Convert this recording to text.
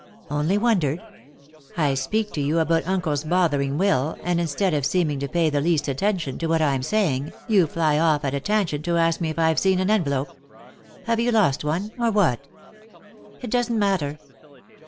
" Only wondered ? I speak to you about uncle's bothering will, and instead of seeming to pay the least attention to what I'm saying, you fly off at a tangent to ask me if I've seen an envelope. Have you lost one— or what ?"" It doesn't matter."